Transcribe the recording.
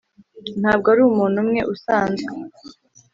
ntabwo ari umuntu umwe usanzwe.